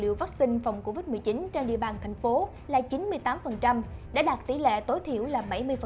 liệu vắc xin phòng covid một mươi chín trên địa bàn thành phố là chín mươi tám đã đạt tỷ lệ tối thiểu là bảy mươi